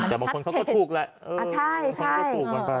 แต่บางคนเขาก็ถูกแหละใช่